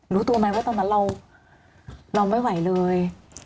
รู้ตัวไหมว่าตอนนั้นเราไม่ไหวเลย